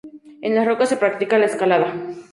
En las rocas se practica la escalada.